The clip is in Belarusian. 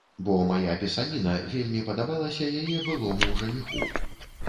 Бо мая пісаніна вельмі падабалася яе былому жаніху.